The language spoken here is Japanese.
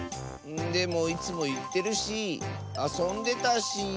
でもいつもいってるしあそんでたし。